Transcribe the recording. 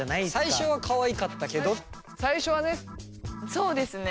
そうですよね。